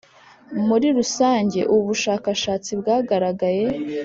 Muri rusange ubu bushakashatsi bwagaragaye